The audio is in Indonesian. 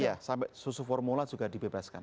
iya sampai susu formula juga dibebaskan